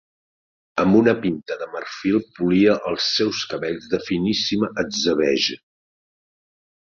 Amb una pinta de marfil polia els seus cabells de finíssima atzabeja.